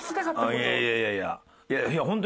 いやいやいやいや。